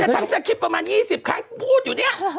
ทั้งสกิพประมาณ๒๐ครั้งพูดอยู่เนี่ย